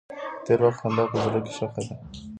د تېر وخت خندا په زړګي کې ښخ ده.